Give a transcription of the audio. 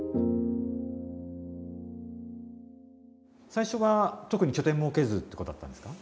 最初は特に拠点設けずってことだったんですか？